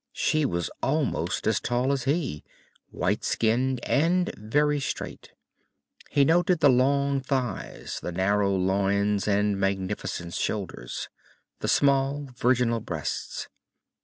She was almost as tall as he, white skinned and very straight. He noted the long thighs, the narrow loins and magnificent shoulders, the small virginal breasts.